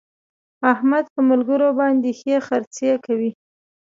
احمد په ملګرو باندې ښې خرڅې کوي.